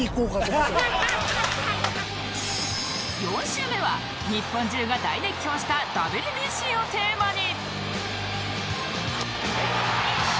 ４週目は日本中が大熱狂した ＷＢＣ をテーマに